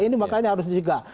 ini makanya harus disegak